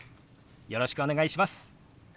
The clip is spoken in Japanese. よろしくお願いします。